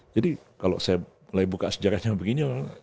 jadi kalau saya mulai buka sejarahnya begini